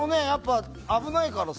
危ないからさ。